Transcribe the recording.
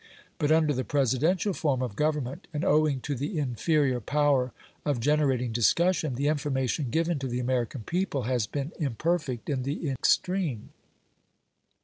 But under the Presidential form of government, and owing to the inferior power of generating discussion, the information given to the American people has been imperfect in the extreme.